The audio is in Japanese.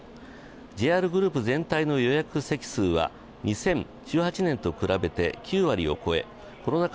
ＪＲグループ全体の予約席数は２０１８年と比べ９割を超えコロナ禍